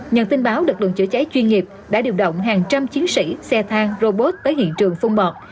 nhận tin báo lực lượng chữa cháy chuyên nghiệp đã điều động hàng trăm chiến sĩ xe thang robot tới hiện trường phun mọt